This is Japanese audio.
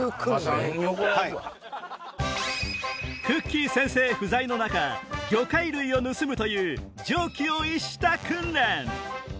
くっきー先生不在の中魚介類を盗むという常軌を逸した訓練！